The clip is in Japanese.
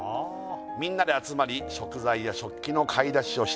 「みんなで集まり食材や食器の買い出しをして」